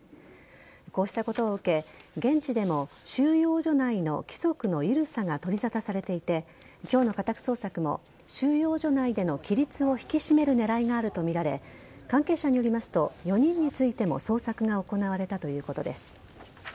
こうしたことを受け、現地でも、収容所内の規則の緩さが取り沙汰されていて、きょうの家宅捜索も、収容所内での規律を引き締めるねらいがあると見られ関係者によりますと、４人についても捜索が行われたということです。